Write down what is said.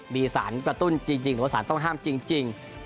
มีสารกระตุ้นจริงหรือว่าสารต้องห้ามจริง